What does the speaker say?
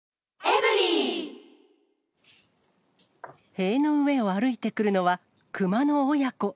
塀の上を歩いてくるのは、熊の親子。